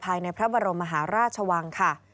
ภายในพระบรมมหาราชวังค่ะ